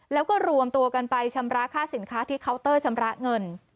แล้วก็รวมตัวกันไปชำระค่าสินค้าที่เคาน์เตอร์ชำระเงิน